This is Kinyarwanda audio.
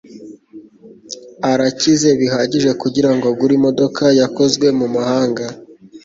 Arakize bihagije kugirango agure imodoka yakozwe mumahanga